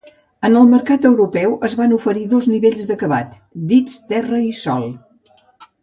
En el mercat europeu es van oferir dos nivells d'acabat, dits Terra i Sol.